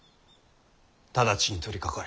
直ちに取りかかれ。